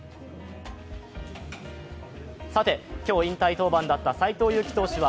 今日引退登板だった斎藤佑樹投手は